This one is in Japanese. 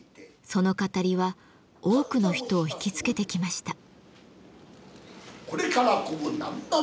その語りは多くの人を引きつけてきました。